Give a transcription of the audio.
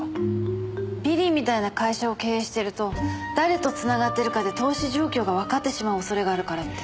ビリーみたいな会社を経営してると誰と繋がってるかで投資状況がわかってしまう恐れがあるからって。